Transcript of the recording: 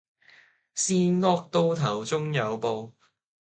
善惡到頭終有報